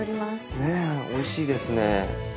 ねえおいしいですね。